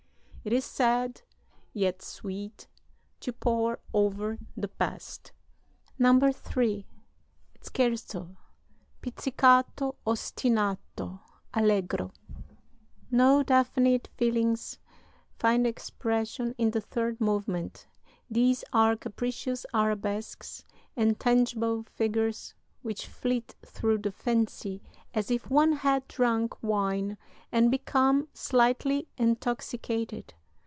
It is sad, yet sweet, to pore over the past. "[III. Scherzo, "Pizzicato ostinato": Allegro] "No definite feelings find expression in the third movement. These are capricious arabesques, intangible figures which flit through the fancy as if one had drunk wine and become slightly intoxicated.